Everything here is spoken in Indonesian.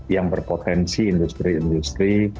yang berpotensi industri industri